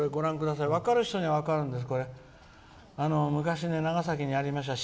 分かる人には分かるんです。